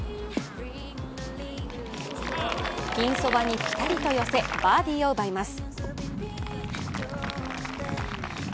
ピンそばにピタリと寄せバーディーを奪います。